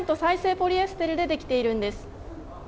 ポリエステルで出来ているんです。